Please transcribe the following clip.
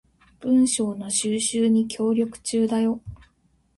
文章の収集に協力中だよ